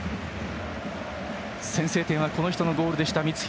先制点は三平のゴールでした。